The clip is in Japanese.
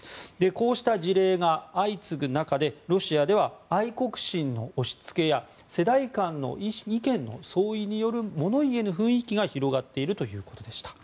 こうした事例が相次ぐ中でロシアでは愛国心の押しつけや世代間の意見の相違によるもの言えぬ雰囲気が広がっているということでした。